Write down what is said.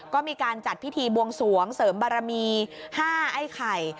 ก็มีการจัดพิธีบวงสวงเสริมบารมี๕ไอ้ไข่